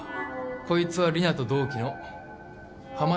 こいつは里奈と同期の浜中だ。